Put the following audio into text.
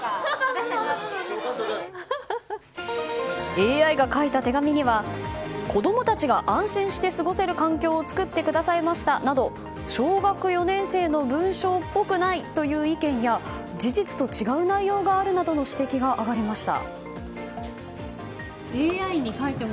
ＡＩが書いた手紙には子供たちが安心して過ごせる環境を作ってくださいましたなど小学４年生の文章っぽくないという意見や事実と違う内容があるなどの指摘がありました。